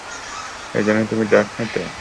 এজন্যই তুমি ড্রাগস নিতে?